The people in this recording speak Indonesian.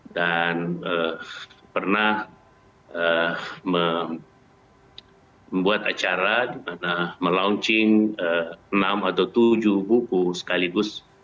dan pernah membuat acara melancarkan enam atau tujuh buku sekaligus